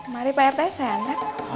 mari pak rt saya hantar